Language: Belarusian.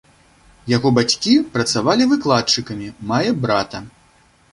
Яго бацькі працавалі выкладчыкамі, мае брата.